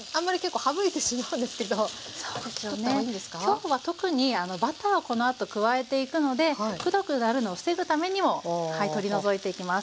今日は特にバターをこのあと加えていくのでくどくなるのを防ぐためにも取り除いていきます。